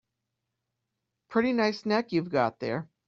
Pretty nice neck you've got there.